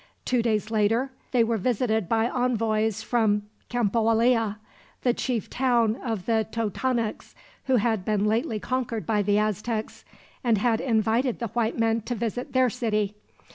Two days later they were visited by envoys from Cempoalla, the chief town of the Totonacs, who had been lately conquered by the Aztecs, and had invited the white men to visit their city.